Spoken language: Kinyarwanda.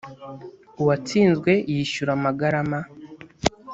uwatsinzwe yishyura amagarama